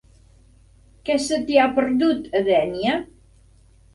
Què se t'hi ha perdut, a Dénia?